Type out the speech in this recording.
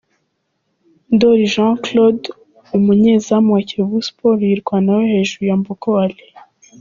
Ndoli Jean Claude umunyezamu wa Kiyovu Sport yirwanaho hejuru ya Mbogo Ali.